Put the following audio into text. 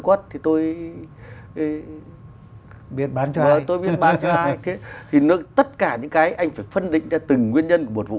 quất thì tôi biết bán cho ai thì nó tất cả những cái anh phải phân định ra từng nguyên nhân của một vụ